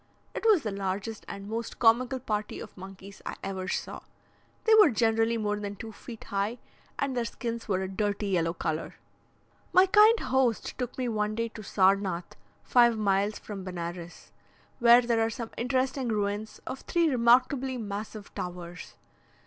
It was the largest and most comical party of monkeys I ever saw. They were generally more than two feet high, and their skins were a dirty yellow colour. My kind host took me one day to Sarnath (five miles from Benares), where there are some interesting ruins of three remarkably massive towers.